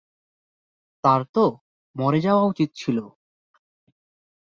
তার তো মরে যাওয়া উচিত ছিল।